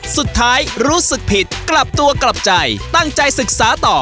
รู้สึกผิดกลับตัวกลับใจตั้งใจศึกษาต่อ